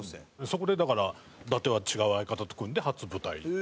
そこでだから伊達は違う相方と組んで初舞台。